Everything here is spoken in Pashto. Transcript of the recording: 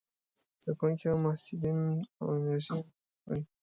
د زده کوونکو او محصلينو وخت او انرژي ورڅخه غواړي.